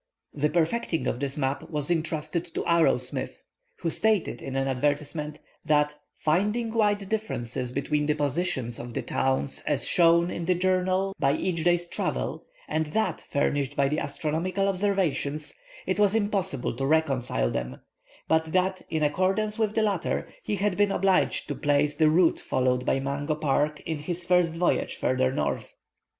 The perfecting of this map was entrusted to Arrowsmith, who stated in an advertisement, that, finding wide differences between the positions of the towns as shown in the journal by each day's travel and that furnished by the astronomical observations, it was impossible to reconcile them; but that, in accordance with the latter, he had been obliged to place the route followed by Mungo Park in his first voyage farther north.